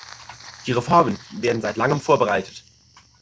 Die Reformen werden seit langem vorbereitet.